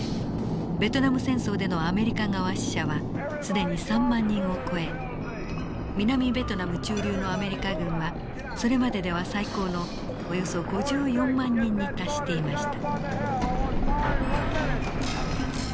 ベトナム戦争でのアメリカ側死者は既に３万人を超え南ベトナム駐留のアメリカ軍はそれまででは最高のおよそ５４万人に達していました。